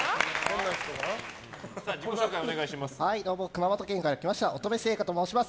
熊本県から来ました乙女製菓と申します。